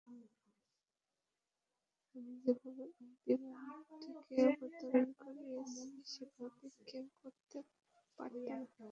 আমি যেভাবে ওই বিমানটিকে অবতরণ করিয়েছি, সেভাবে কেউই করতে পারতো না।